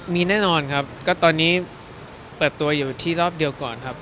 มีแน่นอนครับก็ตอนนี้เปิดตัวอยู่ที่รอบเดียวก่อนครับ